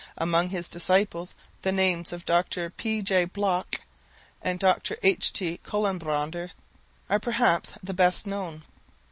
Among his many disciples the names of Dr P.J. Blok and Dr H.T. Colenbrander are perhaps the best known.